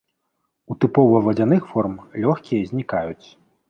У тыпова вадзяных форм лёгкія знікаюць.